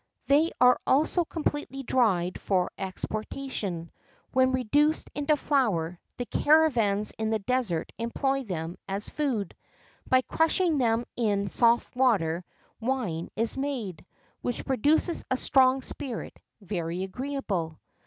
They are also completely dried for exportation; when reduced into flour, the caravans in the Desert employ them as food. By crushing them in soft water wine is made, which produces a strong spirit, very agreeable.